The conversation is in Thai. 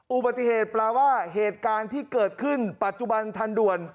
อุบัติเหตุแปลว่าเหตุการณ์ที่เกิดขึ้นปัจจุบันทันด่วน